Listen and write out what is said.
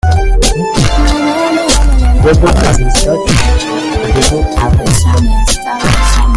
Where God has his church, the devil will have his chapel.